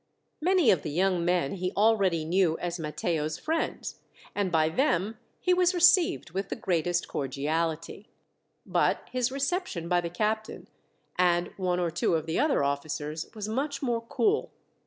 Many of the young men he already knew as Matteo's friends, and by them he was received with the greatest cordiality; but his reception by the captain, and one or two of the other officers, was much more cool.